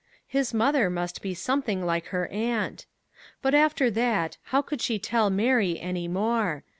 His mother must be something like her aunt! But, after that, how could she tell Mary any more?